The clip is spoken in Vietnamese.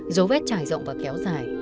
dấu vết trải rộng và kéo dài